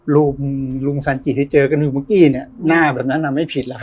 รูปลุงสัญจิทธิ์ที่เจอกันอยู่เสมอเมื่อกี้เนี้ยหน้าเหรอดำแน่ไม่ผิดสิครับ